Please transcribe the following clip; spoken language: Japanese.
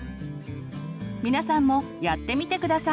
皆さんもやってみて下さい！